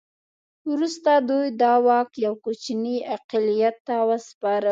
وروسته دوی دا واک یو کوچني اقلیت ته وسپاره.